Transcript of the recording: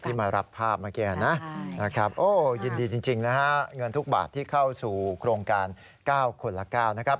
มารับภาพเมื่อกี้นะครับโอ้ยินดีจริงนะฮะเงินทุกบาทที่เข้าสู่โครงการ๙คนละ๙นะครับ